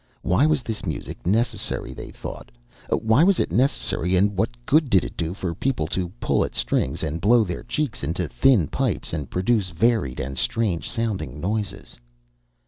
Why was this music necessary, they thought, why was it necessary and what good did it do for people to pull at strings and blow their cheeks into thin pipes, and produce varied and strange sounding noises?